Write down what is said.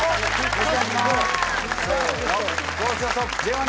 よろしくお願いします